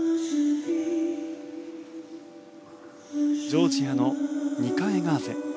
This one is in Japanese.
ジョージアのニカ・エガーゼ。